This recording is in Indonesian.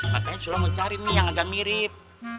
makanya sulam mau cari nih yang agak mirip